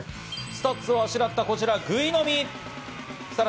スタッズをあしらったぐいのみ。